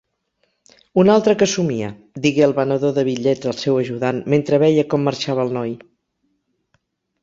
"Un altre que somia", digué el venedor de bitllets al seu ajudant, mentre veia com marxava el noi.